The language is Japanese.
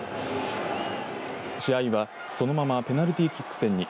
試合は、そのままペナルティーキック戦に。